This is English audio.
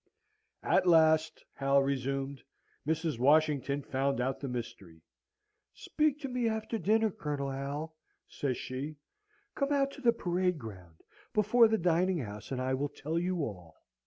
"At last," Hal resumed, "Mrs. Washington found out the mystery. 'Speak to me after dinner, Colonel Hal,' says she. 'Come out to the parade ground, before the dining house, and I will tell you all.'